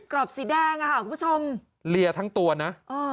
รอบสีแดงอ่ะค่ะคุณผู้ชมเลียทั้งตัวนะเออ